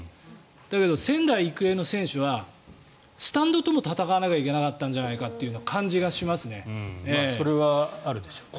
だけど仙台育英の選手はスタンドとも戦わなきゃいけなかったんじゃないかというそれはあるでしょうね。